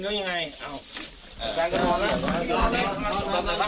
ยิงยังไงอ้าวอ้าวอ้าว